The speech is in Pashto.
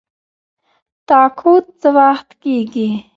تقاعد څه وخت کیږي؟